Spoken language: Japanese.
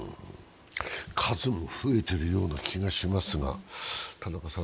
数も増えているような気がしますが。